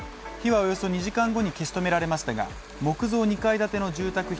火はおよそ２時間後に消し止められましたが木造２階建ての住宅